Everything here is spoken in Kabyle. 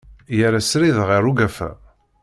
Yerra srid ɣer ugafa.